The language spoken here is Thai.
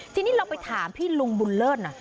ทีนี้เราไปถามพี่ลุงบุญเลิศนะ